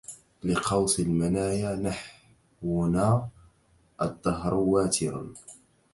لقوس المنايا نحونا الدهر واتر